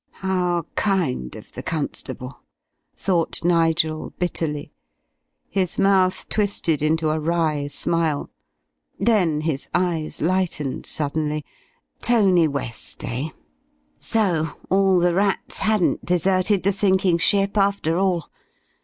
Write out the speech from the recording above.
How kind of the constable, thought Nigel bitterly. His mouth twisted into a wry smile. Then his eyes lightened suddenly. Tony West, eh? So all the rats hadn't deserted the sinking ship, after all.